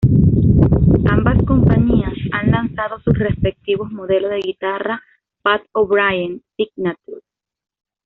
Ambas compañías han lanzado sus respectivos modelo de guitarra Pat O'Brien signature.